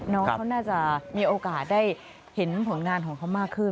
น้องเขาน่าจะมีโอกาสได้เห็นผลงานของเขามากขึ้น